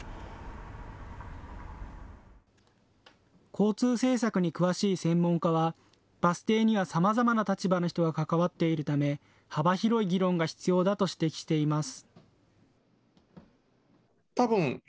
交通政策に詳しい専門家はバス停にはさまざまな立場の人が関わっているため幅広い議論が必要だと指摘しています。